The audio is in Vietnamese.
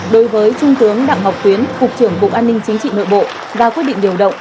đối với trung tướng đặng ngọc tuyến cục trưởng bộ an ninh chính trị nội bộ và quyết định điều động